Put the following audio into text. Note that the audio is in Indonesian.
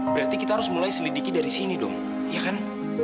berarti kita harus mulai selidiki dari sini dong ya kan